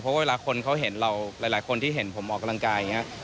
เพราะเวลาคนเขาเห็นเราหลายคนที่เห็นผมออกกำลังกายอย่างนี้